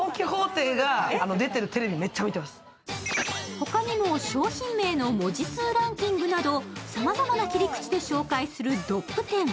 他にも商品名の文字数ランキングなどさまざまな切り口で紹介するドップ１０。